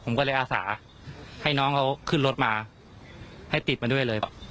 ผมก็เลยอาสาให้น้องเขาขึ้นรถมาให้ติดมาด้วยเลยบอก